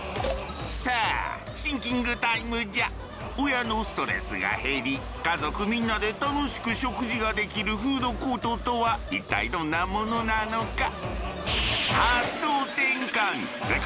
親のストレスが減り家族みんなで楽しく食事ができるフードコートとは一体どんなものなのか？